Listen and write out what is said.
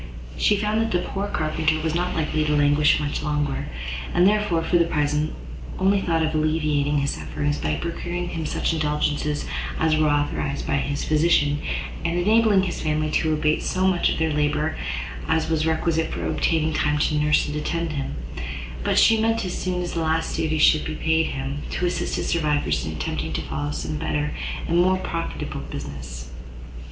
She found that the poor carpenter was not likely to languish much longer, and therefore, for the present, only thought of alleviating his sufferings, by procuring him such indulgences as were authorised by his physician, and enabling his family to abate so much of their labour as was requisite for obtaining time to nurse and attend him: but she meant, as soon as the last duties should be paid him, to assist his survivors in attempting to follow some better and more profitable business.